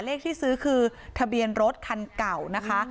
เลขที่ซื้อคือทะเบียนรถคันเก่านะคะ